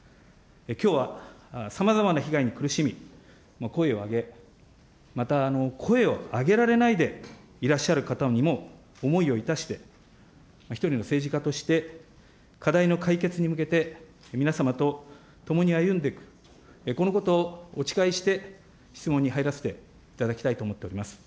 きょうはさまざまな被害に苦しみ、声を上げ、また、声を上げられないでいらっしゃる方にも思いをいたして、一人の政治家として、課題の解決に向けて皆様と共に歩んでいく、このことをお誓いして、質問に入らせていただきたいと思っております。